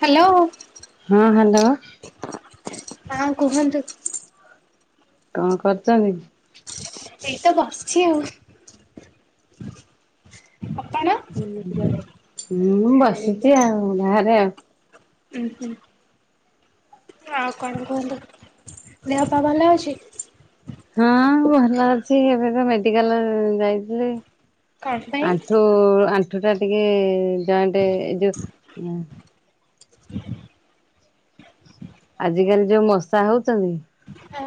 Hello. ହଁ hello. ହଁ କୁହନ୍ତୁ। କଣ କରୁଚନ୍ତି? ଏଇ ତ ବସିଛି ଆଉ । [inaudible] ମୁଁ ବସିଛି ଆଉ ଭାଆରେ ଆଉ ଉଁ ହୁଁ। ଆଉ କଣ କୁହନ୍ତୁ ଦେହ ପା ଭଲ ଅଛି? ହଁ ଭଲ ଅଛି ଏବେ ତ ମେଡିକାଲ ଯାଇଥିଲି। କଣ ପାଇଁ ଆଣ୍ଠୁ ଆଣ୍ଠୁ ଟା ଟିକେ ଜଏଣ୍ଟେ୍ ଏ ଯୋଉ [inaudible] ଆଜିକାଲି ଯୋଉ ମଶା ହଉଛନ୍ତି ହଁ।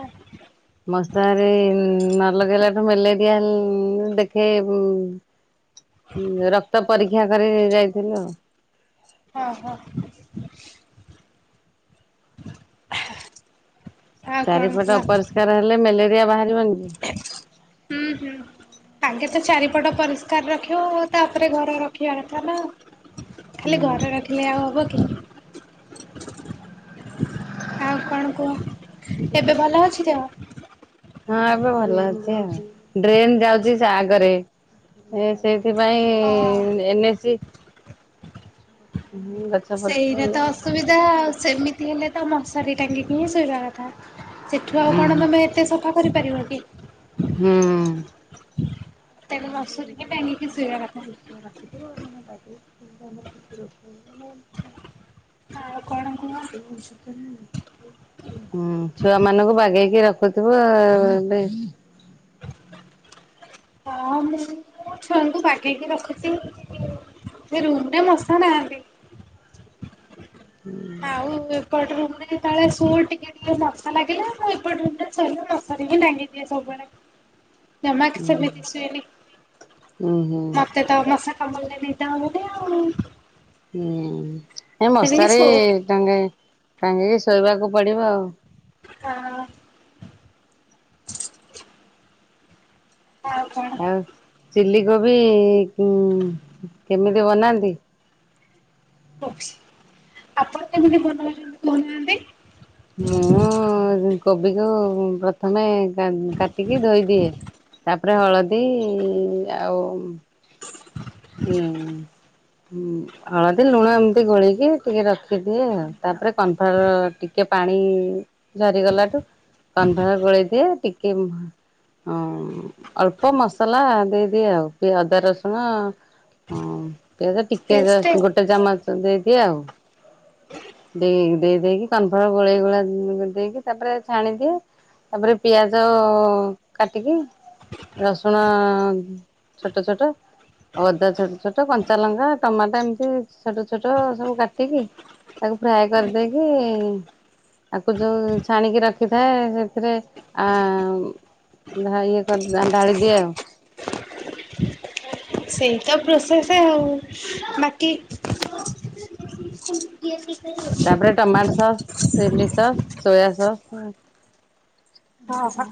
ମଶାରି ନ ଲଗେଇଲା ଠୁ ମେଲେରିଆ ଉଁ ଦେଖେ ଉଁ ରକ୍ତ ପରୀକ୍ଷା କରି ଯାଇଥିଲୁ ଆଉ। ହଁ ହଁ। ଆଉ କଣ ଚାରିପଟ କୁହ ଅପରିଷ୍କାର ହେଲେ ମେଲେରିଆ ବାହାରିବନି କି? ହୁଁ ହୁଁ। ଆଗେ ତ ଚାରିପଟ ପରିଷ୍କାର ରଖିବ ଆଉ ତାପରେ ଘର ରଖିବା କଥା ନା ଆଉ। ଖାଲି ହୁଁ ଘରେ ରଖିଲେ ଆଉ ହବ କି? ଆଉ କଣ କୁହ, ଏବେ ଭଲ ଅଛି ଦେହ? ହଁ ଏବେ ଭଲ ଅଛି ଆଉ, ଡ୍ରେନ୍ ଯାଉଛି ସେ ଆଗରେ ଏ ସେ ସେଥିପାଇଁ ହଁ। ଏନ୍ ଏ ସି ହୁଁ [unintelligible] ସେଇରା ତ ଅସୁବିଧା ଆଉ, ସେମିତି ହେଲେ ତ ମଶାରୀ ଟାଙ୍ଗିକି ହିଁ ଶୋଇବା କଥା। ସେଠୁ ଆଉ କଣ ହୁଁ ତମେ ଏତେ ସଫା କରିପାରିବ କି? ହୁଁ। ଛଅ ମିନିଟ୍ ତେଣୁ ଝିପି ବାସୁରିକି ଝିପି ଟାଙ୍ଗିକି ବର୍ଷା ଦିନ ଶୋଇବା ହେଇଥିବ କଥା ଟିକେ [unintelligible] ରଖିଥିବ ମାନେ ଗାଧେଇକି [unintelligible] ମାନେ [inaudible] ହଁ ଛୁଆ ମାନଙ୍କୁ ବାଗେଇକି ରକ୍ ହଉଥିବ ଆଉ ହେଲେ [inaudible] ହଁ ମୁଁ ମୋ ଛୁଆଙ୍କୁ ବାଗେଇକି ରଖୁଛି। ଏ ରୁମଟା ମଶା ନାହାଁନ୍ତି। ହୁଁ। ଏପଟ ରୁମ୍ ରେ ତଳେ ଶୋଉ ଟିକେ ଟିକେ ମଶା ଲାଗିଲେ ମୁଁ ଏପଟ ରୁମ୍ ରେ ଶୋଇଲେ ମଶାରୀଟା ଟାଙ୍ଗି ଦିଏ ସବୁବେଳେ। ଉଁ ଜମାକି ସେମିତି ଶୁଏନି ହୁଁ ହୁଁ ମତେ ତ ମଶା କାମୁଡିଲେ ନିଦ ହବନେଇ ଆଉ ହୁଁ ଏ ସେମିତି ମଶାରୀ ଶୋଉ। ଟାଙ୍ଗେ ଟାଙ୍ଗିକି ଶୋଇବାକୁ ପଡିବ ଆଉ ହଁ। ଆଉ କଣ ଆଉ ଚିଲି କୋବି କିମ୍ କେମିତି ବନାନ୍ତି? [unintelligible] ଆପଣ କେମିତି ଭଲ ହେଲେ କହୁନାହାନ୍ତି? ମୁଁ କୋବିକୁ ପ୍ରଥମେ [unintelligible] କାଟିକି ଧୋଇଦିଏ ତାପରେ ହଳଦୀ ଆଉ ହୁଁ ହଳଦୀ ଲୁଣ ଏମିତି ଗୋଳେଇକି ଟିକେ ରଖିଦିଏ, ଆଉ ତାପରେ କନଫାଓ୍ବାର ଟିକେ ପାଣି ଝରିଗଲାଠୁ କନଫାଓ୍ବାର ଗୋଳେଇ ଦିଏ ଟିକେ ହଁ ଅଳ୍ପ ମସଲା ଦେଇଦିଏ, ଆଉ ଅଦା ରସୁଣ ହଁ ପିଆଜ ଟିକେ ପେଷ୍ଟେ ଜଷ୍ଟ୍ ଗୋଟେ ଚାମଚ ଦେଇଦିଏ ଆଉ ଦେଇ, ଦେଇ ଦେଇକି କନଫାଓ୍ବାର ଗୋଳେଇ ଗୋଳା ଦେଇକି ତାପରେ ଛାଣିଦିଏ। ତାପରେ ପିଆଜ ଅ କାଟିକି ରସୁଣ ଛୋଟୋ ଛୋଟୋ ଅଦା ଛୋଟ ଛୋଟ କଞ୍ଚା ଲଙ୍କା ଟମାଟୋ ଏମିତି ଛୋଟ ଛୋଟ ସବୁ କାଟିକି। ତାକୁ ଫ୍ରାଏ କରିଦେଇକି। ତାକୁ ଯୋଉ ଛାଣିକି ରଖିଥାଏ ସେଥିରେ ଆ ଉଁ ଢା ଇଏ କରି ଦି ଢାଳି ଦିଏ ଆଉ। ସେଇ ତ ପ୍ରୋସେସ ଆଉ ବାକି। ହଁ ତାପରେ tomato sauce, chilli sauce, soya sauce. ଓହୋ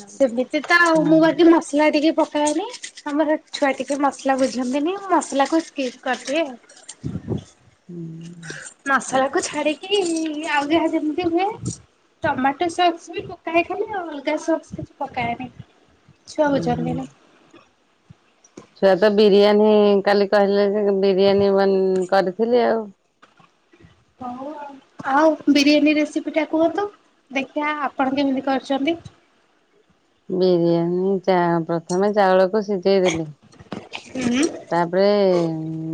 ସେମିତି ତ ଆଉ ମୁଁ ବାକି ମସଲା ଟିକେ ପ ପକାଏନି ଆମର ଛୁଆ ଟିକେ ମସଲା ବୁଝନ୍ତିନି ମୁମସଲାକୁ ସ୍କିପ୍ କରିଦିଏ ଆଉ। ଉଁ। ମସଲାକୁ ଛାଡିକି ଆଉ ଯାହା ଯେମିତି ହୁଏ। ଟମାଟୋ ସସ୍ ବି ପକାଏ ଖାଲି ଆଉ ଅଲଗା ସସ୍ କିଛି ପକାଏନି। ଛୁଆ ହୁଁ ବୁଝନ୍ତିନି। ଛୁଆ ତ ବିରିୟାନୀ କାଲି କହିଲେ ଯେ ବିରିୟାନୀ ବ କରିଥିଲି ଆଉ। ଆଉ ବିରିୟାନୀ ରେସିପିଟା କୁହନ୍ତୁ। ଦେଖିବା ଆପଣ କେମିତି କରୁଛନ୍ତି। ବିରିୟାନୀ ଚା ପ୍ରଥମେ ଚାଉଳକୁ ସିଝେଇ ଦେଲି। ହୁଁ ତାପରେ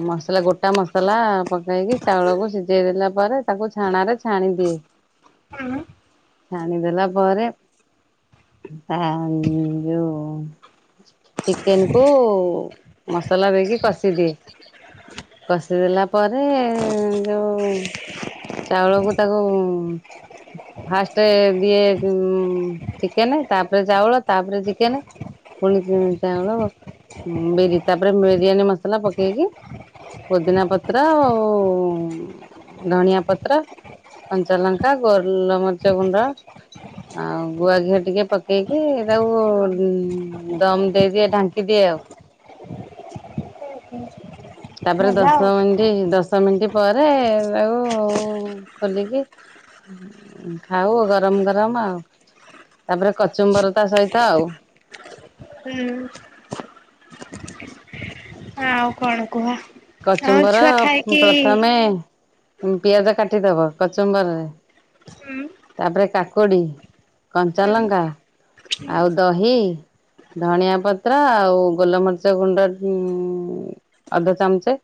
ମ ଗୋଟା ମସଲା ପକେଇକି ଚାଉଳକୁ ସିଝେଇ ଦେଲା ପରେ ତାକୁ ଛାଣରେ ଛାଣିଦିଏ। ହୁଁ । ଛାଣିଦେଲା ପରେ ତା ଯୋଉ ଚିକେନକୁ ମସଲା ଦେଇକି କଷିଦିଏ। କଷିଦଲା ପରେ ଯଉ ଚାଉଳକୁ ତାକୁ ଉଁ ଫାଷ୍ଟ ଦିଏ ଉଁ ଚିକେନ ତାପରେ ଚାଉଳ ତାପରେ ଚିକେନ। ପୁଣି ଚାଉଳ ବିରି ତାପରେ ବିରିୟାନୀ ମସଲା ପକେଇକି ପୋଦିନା ପତ୍ର ଆଉ ଧଣିଆ ପତ୍ର କଞ୍ଚାଲଙ୍କା, ଗୋଲ ମରିଚ ଗୁଣ୍ଡ ଆଉ ଗୁଆ ଘିଅ ଟିକେ ପକେଇକି ତାକୁ ଦମ୍ ଦେଇଦିଏ ଢାଙ୍କି ଦିଏ। ଆଉ। ତାପରେ ଭଲ ଆଉ। ଦଶ ମିନିଟ ଦଶ ମିନିଟ। ପରେ ଆଉ ଖୋଲିକି। ଖାଉ ଗରମ ଗରମ ଆଉ। ତାପରେ କଚୁମ୍ବର ତା ସହିତ ଆଉ। ହୁଁ। ଆଉ କଣ କୁହ? ଆଉ କଚୁମ୍ବର ଛୁଆ ଖାଇକି ପ୍ରଥମେ। ପିଆଜ କାଟିଦବ କଚମ୍ବରରେ। ହୁଁ ତାପରେ କାକୁଡି, କଞ୍ଚାଲଙ୍କା ଆଉ ଦହି। ଧଣିଆ ପତ୍ର ଆଉ ଗୋଲମରିଚ ଗୁଣ୍ଡ ଉ ଅଧ ଚାମ୍ଚେ।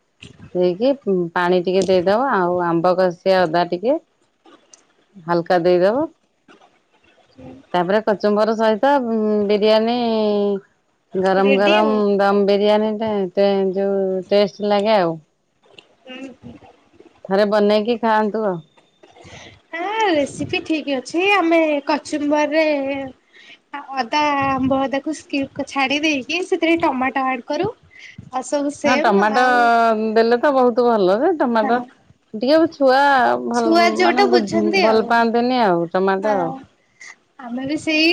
ଦେଇକି ପାଣି ଟିକେ ଦେଇଦବ ଆଉ ଆମ୍ବ କଷିଆ ଅଦା ଟିକେ ହାଲକା ଦେଇଦବ ତାପରେ କଚମ୍ବର ସହିତ ବିରିୟାନୀ ଗରମ ରେଡି ଆଉ। ଗରମ ଦମ ବିରିୟାନୀ। ଯେ ତେ ଯୋଉ ଟେଷ୍ଟ ଲାଗେ ଆଉ। ଥରେ ବନେଇକି ଖାଆନ୍ତୁ ଆଉ। ନା ରେସିପି ଠିକ ଅଛି ଆମେ କଚୁମ୍ବରରେ ଅଦା ଆମ୍ବ ଅଦାକୁ ସ୍କି ଛାଡି ଦେଇକି ସେଥିରେ ଟମାଟୋ ଆଡ କରୁ ଆଉ ସବୁ ହଁ ସେମ୍ ଟମାଟୋ ଆଉ ଦେଲେ ତ ବହୁତ ଭଲ ସେ ହଁ ଟମାଟୋ ଟିକେ ଛୁଆ ଭଲ ଛୁଆ ଯୋଉଟା ମାନେ ଵୁଝ୍ ବୁଝନ୍ତି ଭଲ ଆଉ। ପାଆନ୍ତିନି ଆଉ। ଟମାଟୋ ହଁ ଆଉ। ଆମେ ବି ସେଇ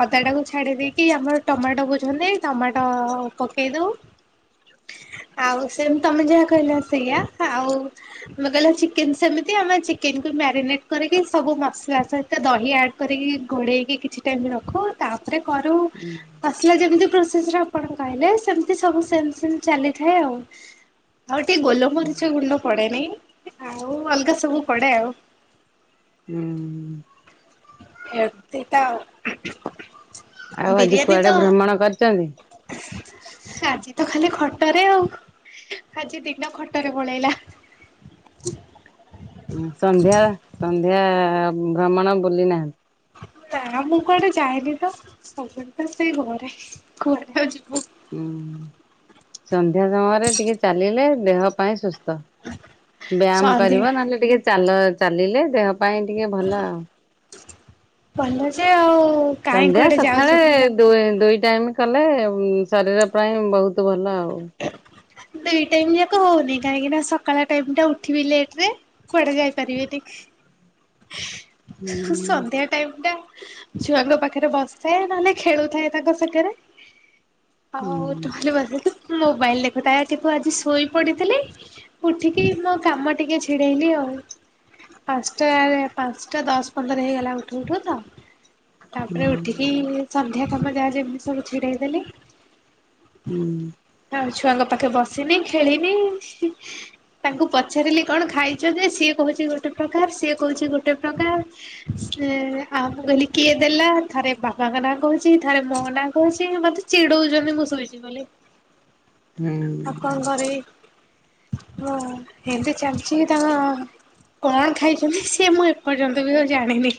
ଅଦା ଟାକୁୁ ଛାଡି ଦେଇକି ଆମର ଟମାଟୋ ବୁଝନ୍ତି। ଟମାଟୋ ପକେଇ ଦଉ। ଆଉ ସେନ୍ତି ତମେ ଯାହା କହିଲ ସେଇଆ ଆଉ ତମେ କହିଲ ଚିକେନ ସେମିତି ଆମେ ଚିକେନ କୁ ମ୍ୟାରିନେଟ କରିକି ସବୁ ମସଲା ତା ସହିତ ଦହି ଆଡ୍ କରିକି ଗୋଢେଇକି କିଛି ଟାଇମ ରଖୁ ତା ରେ କରୁ ଆସିଲା ଯେମିତି ପ୍ରୋ ସେଶ୍ ରେ ଆପଣ କହିଲେ ସେମିତି ସବୁ ସେମ ସେମ ଚାଲିଥାଏ ଆଉ। ଆଉ ଟିକେ ଗୋଲମରିଚ ଗୁଣ୍ଡ ପଡେନି ଆଉ ଅଲଗା ସବୁ ପଡେ ଆଉ। ହୁଁ। ଏମ୍ତି ତ ଆଉ। ଆଉ ଆଜି ବିରିୟାନୀ ତ କୁଆଡେ ଭ୍ରମଣ କରିଛନ୍ତି? ଆଜି ତ ଖାଲି ଖଟରେ ଆଉ। ଆଜି ଦିନ ଖଟରେ ପଳେଇଲା। ସନ୍ଧ୍ୟା ସନ୍ଧ୍ୟା ଭ୍ରମଣ ବୁଲି ନାହାନ୍ତି? ନା ମୁଁ କୁଆଡେ ଯାଏନି ତ ସବୁବେଳେ ତ ସେଇ ଘରେ କୁଆଡେ ଆଉ ଯିବୁ। ହୁଁ ସନ୍ଧ୍ୟା ସମୟରେ ଟିକେ ଚାଲିଲେ ଦେହ ପାଇଁ ସୁସ୍ଥ। ବ୍ୟାୟାମ ସନ୍ଧ୍ୟା କରିବ ନହେଲେ ଟିକେ ଚାଲ ଚାଲିଲେ ଦେହ ପାଇଁ ଟିକେ ଭଲ ଆଉ। ଭଲ ଯେ ଆଉ କାହିଁ ସନ୍ଧ୍ୟା କୁଆଡେ ଯାଉଛୁ। ସକାଳେ ଦୁଏ ଦୁଇ ୟାମ କଲେ ଶରୀର ପାଇଁ ବହୁତ ଭଲ ଆଉ। ଦୁଇ ଟାଇମ ଯାକ ହଉନି କାହିଁକି ନା ସକାଳ ଟାଇମ ଟା ଉଠିବି ଲେଟ ରେ କୁଆଡେ ଯାଇପାରିବିନି। ହ ହୁଁ ସନ୍ଧ୍ୟା ଟାଇମ ଟା ଛୁଆଙ୍କ ପାଖରେ ବସିଥାଏ ନହେଲେ ଖେଳୁଥାଏ ତାଙ୍କ ସାଙ୍ଗରେ। ହଉ ହୁଁ। ତାହେଲେ ବସିକି ମୋବାଇଲ ଦେଖୁଥାଏ। ଠୁ ଆଜି ଶୋଇ ପଡିଥିଲି ଉଠିକି ମୋ କାମ ଟିକେ ଛିଡେଇଲି ଆଉ। ଆଶ୍ ପାଞ୍ଚଟା ପାଞ୍ଚଟା ଦଶ ପନ୍ଦର ହେଇଗଲା ଉଠୁ ଉଠୁ ତ ତାପରେ ଉଠିକି ସନ୍ଧ୍ୟା କାମ ଯାହା ଯେମିତି ସବୁ ଛିଡେଇ ଦେଲି ହୁଁ। ଆଉ ଛୁଆଙ୍କ ପାଖେ ବସିନି ଖେଳିନି ତାଙ୍କୁ ପଚାରିଲି କଣ ଖାଇଛ ଯେ ସିଏ କହୁଛି ଗୋଟେ ପ୍ର କାର ସିଏ କହୁଛି ଗୋଟେ ପ୍ରକାର। ସେ ଆ ମୁ କହିଲି କିଏ ଦେଲା ଥରେ ବାବାଙ୍କ ନାଁ କହୁଛି ଥରେ ମୋ ନା କହୁଛି ମତେ ଚିଡଉଛନ୍ତି ମୁଁ ଶୋଇଛି ବୋଲି। ଆଉ କଣ ଘରେ ହଁ ହେମିତି ଚାଲିଛି ତାଙ୍କ କଣ ଖାଇଛନ୍ତି ସେ ମୁଁ ଏପର୍ଯ୍ୟନ୍ତ ବି ଆଉ ଜାଣିନି।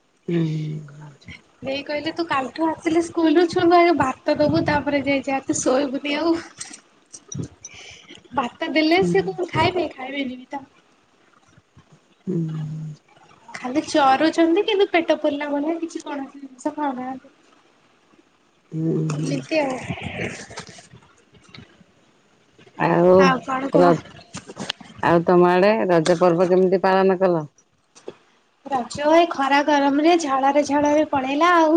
ହୁଁ। ଦେଇ କହିଲେ ତୁ କାଲିଠୁ ଆସିଲେ ସ୍କୁଲରୁୁ ଛୁଆଙ୍କୁ ଆଗେ ଭାତ ଦବୁ। ତାପରେ ଯାଇ ଯାହା ତୁ ଶୋଇବୁନି ଆଉ। ଭାତ ଦେଲେ ସେ କଣ ଖାଇବେ ଖାଇବେନି ବି ତା ହୁଁ। ଖାଲି ଚରୁଛନ୍ତି କିନ୍ତୁ ପେଟ ପୁରିଲା ଭଳିଆ କିଛି କୌଣସି ଜିନିଷ ଖାଉନାହାନ୍ତି। ନିିତି ଆଉ। ଆଉ କଣ କୁହ? ର ଆଉ ତମ ଆଡେ ରଜ ରଜ ପର୍ବ କେମିତି ପାଳନ କଲ? ରଜ ଭାଇ ଖରା ଗରମରେ ଝାଳରେ ଝାଳରେ ପଳେଇଲା। ଆଉ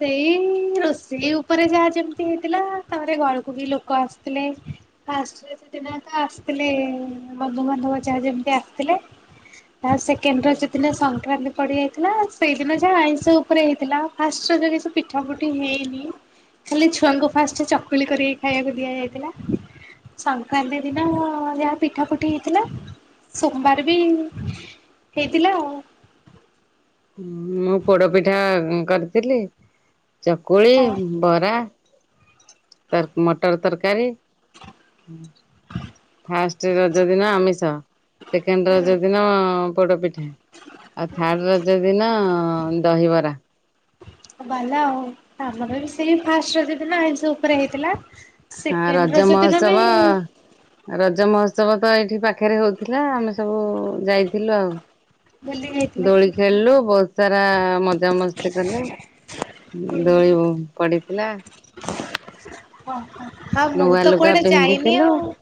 ସେଇ ରୋଷେଇ ଉପରେ ଯାହା ଯେମିତି ହେଇଥିଲା। ତାପରେ ଘରକୁ ବି ଲୋକ ଆସୁଥିଲେ ଫା ସେ ତ ଆସିଥିଲେ ବନ୍ଧୁବାନ୍ଧବ ଯହା ଯେମିତି ଆସିଥିଲେ। ଆଉ ସେ କେନ୍ଦ୍ର ଯେଦିନ ସଂକ୍ରାନ୍ତି ପଡ଼ିଯାଇଥିଲା ସେଇଦିନ ଯାହା ଆଇଁଷ ଉପରେ ହେଇଥିଲା। ଫାଷ୍ଟ୍ର ରଜ କି ସେ ପୀଠା ହେଇନି ଖାଲି ଛୁଆଙ୍କୁ ଫାଷ୍ଟ ଚକୁଳି କରି ଖାଇବାକୁ ଦିଆଯାଇଥିଲା। ସଂକ୍ରାନ୍ତି ଦିନ ଯାହା ପିଠା ପୁଠି ହେଇଥିଲା। ସୋମବାର ବି ହେଇଥିଲା ଆଉ। ମୁଁ ପୋଡ ପିଠା କରିଥିଲି ଚକୁଳି ବରା ତ ମଟର ତରକାରୀ। ଫାଷ୍ଟ ରଜ ଦିନ ଆମିଷ ସେକେଣ୍ଡ ହଁ ରଜ ଦିନ ପୋଡପି ଆଉ ଥାର୍ଡ ରଜ ଦିନ ଦହିବରା। ଆଉ ବାଲା ଆଉ ଆମର ବି ସେଇ ଫାଷ୍ଟ ରଜ ଦିନ ଆଇଁଶ ଉପରେ ହେଇଥିଲା। ହଁ ସେକେଣ୍ଡ ରଜ ଦିନ ବି ମହୋତ୍ସବ ରଜ ମହୋତ୍ସବ ତ ଏଇଠି ପାଖରେ ହଉଥିଲା ଆମେ ସବୁ ଯାଇଥିଲୁ ଆଉ। ବୁଲି ଯାଇଥିଲି। ଦୋଳି ଖେଳିଲୁ ବହୁତ ସାରା ମଜା ମସ୍ତି କଲେ। ଦୋଳି ପଡିଥିଲା। ଓୋ ହଁ ମୁଁ ନୂଆ ତ ଲୁଗା କୁଆଡେ ଯାଇନି ପିନ୍ଧିଥିଲୁ। ଆଉ।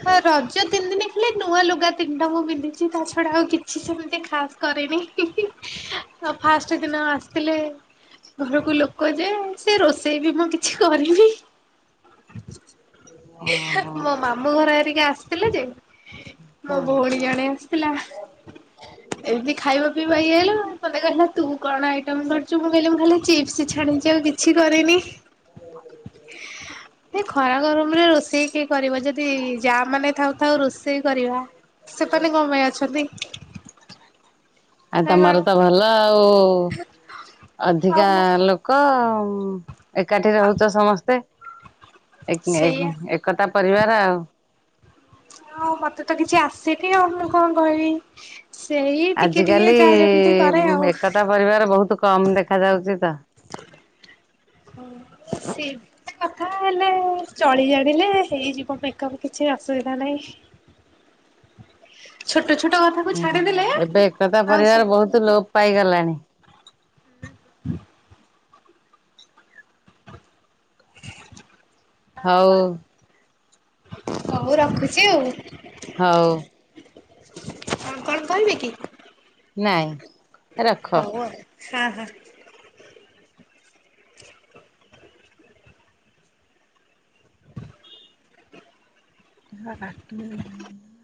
ହଁ ରଜ ତିନି ଦିନ ଖାଲେ ନୂଆ ଲୁଗା ତିନିଟା ମୁଁ ପନ୍ଧିଛି ତା ଛଡା ଆଉ କିଛି ସେମିତି ଖାସ୍ କରେନି ଇ ହିଁ ହି ଫାଷ୍ଟ ଦିନ ଆସିଥିଲେ ଘରକୁ ଲୋକ ଯେ ସେ ରୋଷେଇ ବି ମୁଁ କିଛି କରିନି। ଓହୋ ମୋ ମାମୁଁ ଘର ଏରିକି ଆସିଥିଲେ ଯେ ମୋ ହଁ। ଭଉଣୀ ଜଣେ ଆସିଥିଲା ଏମିତି ଖାଇବା ଭାଇ ଆଇଲା ମତେ କହିଲା ତୁ କଣ ଆଇଟମ୍ କରିୁଛୁ ମୁଁ କହିଲି ମୁଁ ଖାଲି ଚିପ୍ସ ଛାଣିଛି ଆଉ କିଛି କରିନି। ଏ ଖରା ଗର ରୋଷେଇ କିଏ କରିବ ଯଦି ଯା ମାନେ ଥାଉ ଥାଉ ରୋଷେଇ କରିବା। ସେପ କଣ ପାଇଁ ଅଛନ୍ତି। ଆଉ ନା ତମର କଣ ତ ଭଲ ଆଉ ଆଉ ଅଧିକା ମୁଁ ଲୋକ ଏକାଠି ରହୁଛ ସମସ୍ତେ ଏକ ସେଇଆ ଏ ଏକତା ପରିବାର ଆଉ। ହଁ ମତେ ତ କିଛି ଆସନି ଆଉ କଣ କହିବି? ସେଇ ଟିକେ ଟିକେ ଆଜିକାଲି ଯାହା ଯେମିତି କରେ ଆଉ। ଏକତା ପରିବାର ବହୁତ କମ ଦେଖା ଯାଉଛି ତ। ସେ କଥା ହେଲେ ଚଳି ଜାଣିଲେ ହେଇଯିବ ମେକଅପ କିଛି ଅସୁବିଧା ନାଇ। ଛୋଟ ଛୋଟ କଥାକୁ ହୁଁ ଛାଡିଦେଲେ ଏବେ ଏକତା ଆଉ ପରିବାର ବହୁତ ସବୁ ଲୋପ ପାଇଗଲାଣି [inaudible] ହଉ ହଉ ରଖୁଛି ଆଉ। ହଉ କଣ କହିବେ କି? ନାଇଁ ରଖ। ହଉ ଆଉ ହଁ ହଁ। ସେ ସ କାଟୁନି